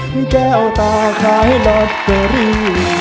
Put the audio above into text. แก้วตาคล้ายลอตเตอรี่